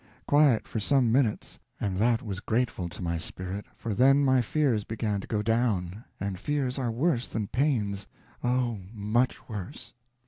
Quiet for some minutes, and that was grateful to my spirit, for then my fears began to go down; and fears are worse than pains oh, much worse.